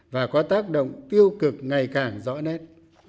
và có tác động tiêu cực ngày càng rõ nét